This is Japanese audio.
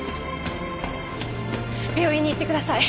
病院に行ってください。